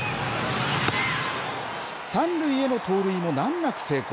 三塁への盗塁も難なく成功。